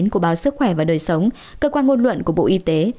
của báo sức khỏe và đời sống cơ quan ngôn luận của bộ y tế